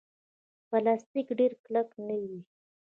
پلاستيک ډېر کلک نه وي.